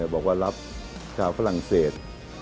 บอกว่ารับชาวฝรั่งเศส